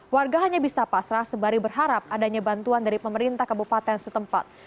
warga hanya bisa pasrah sebari berharap adanya bantuan dari pemerintah kabupaten setempat